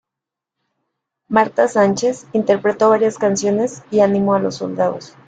Marta Sánchez interpretó varias canciones y animó a los soldados.